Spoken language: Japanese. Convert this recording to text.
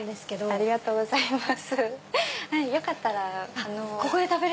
ありがとうございます。